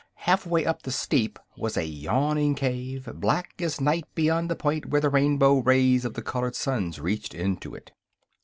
Half way up the steep was a yawning cave, black as night beyond the point where the rainbow rays of the colored suns reached into it.